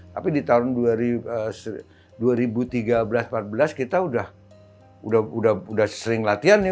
tapi di tahun dua ribu tiga belas dua ribu empat belas kita udah sering latihan ya